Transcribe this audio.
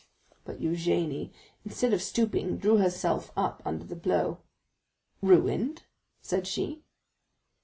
But Eugénie, instead of stooping, drew herself up under the blow. "Ruined?" said she.